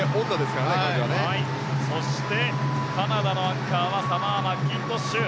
そしてカナダのアンカーはサマー・マッキントッシュ。